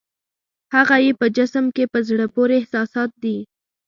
هغه یې په جسم کې په زړه پورې احساسات دي.